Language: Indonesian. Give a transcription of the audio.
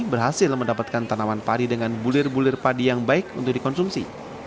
berhasil mendapatkan tanaman padi dengan bulir bulir padi yang baik untuk dikonsumsi